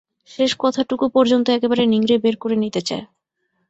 শেষ কথাটুকু পর্যন্ত একেবারে নিংড়ে বের করে নিতে চায়।